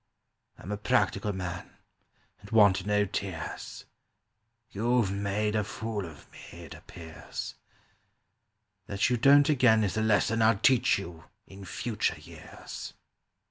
"I'm a practical man, and want no tears; You've made a fool of me, it appears; That you don't again Is a lesson I'll teach you in future years."